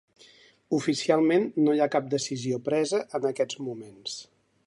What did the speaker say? Oficialment no hi ha cap decisió presa en aquests moment.